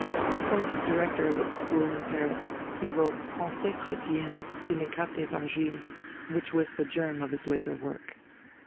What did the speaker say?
Appointed director of its school in Paris, he wrote Pensées Chrétiennes sur les quatre Evangiles, which was the germ of his later work.